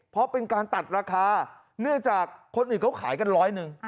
เพราะเป็นการตัดราคาเนื่องจากคนอื่นเขาขายกันร้อยหนึ่ง